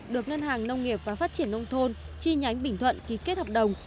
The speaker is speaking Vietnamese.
được ngân hàng nông nghiệp và phát triển nông thôn chi nhánh bình thuận ký kết hợp đồng